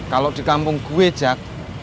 kalau di kampung gue jack